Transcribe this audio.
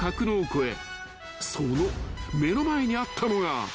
［その目の前にあったのが］